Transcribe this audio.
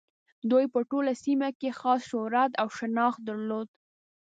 دوی په ټوله سیمه کې یې خاص شهرت او شناخت درلود.